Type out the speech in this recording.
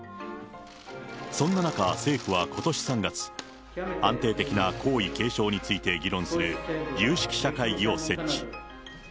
そんな中、政府はことし３月、安定的な皇位継承について議論する有識者会議を設置。